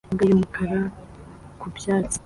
Imbwa y'umukara ku byatsi